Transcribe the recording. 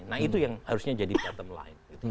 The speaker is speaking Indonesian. nah itu yang harusnya jadi pattern lain